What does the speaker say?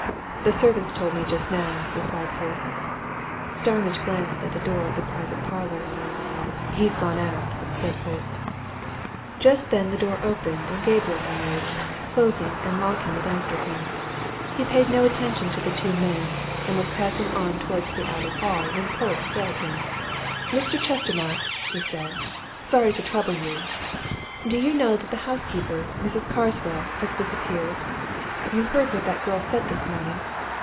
"The servants told me, just now," replied Polke. Starmidge glanced at the door of the private parlour. "He's gone out," said Polke. Just then the door opened and Gabriel emerged, closing and locking it after him. He paid no attention to the two men, and was passing on towards the outer hall when Polke hailed him. "Mr. Chestermarke," he said, "sorry to trouble you do you know that the housekeeper, Mrs. Carswell, has disappeared? You heard what that girl said this morning?